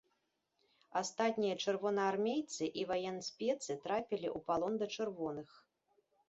Астатнія чырвонаармейцы і ваенспецы трапілі ў палон да чырвоных.